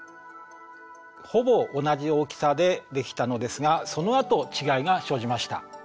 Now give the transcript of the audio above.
ほぼ同じ大きさでできたのですがそのあと違いが生じました。